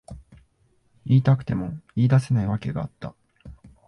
言いたくても言い出せない訳があった。